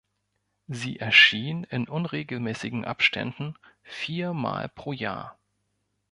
Sie erschien in unregelmäßigen Abständen viermal pro Jahr.